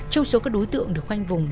trong số các đối tượng được khoanh vùng